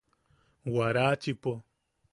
Warachipo.